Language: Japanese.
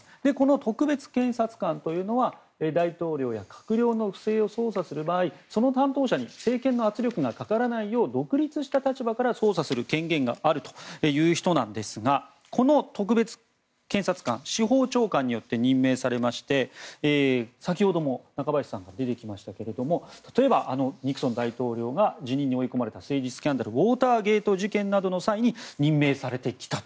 特別検察官というのは大統領や閣僚の不正を捜査する場合その担当者に政権の圧力がかからないよう独立した立場から捜査する権限があるという人なんですがこの特別検察官司法長官によって任命されまして先ほども中林さんから出てきましたけれども例えば、ニクソン大統領が辞任に追い込まれた政治スキャンダルウォーターゲート事件の際に任命されてきたと。